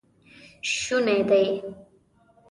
شونی دی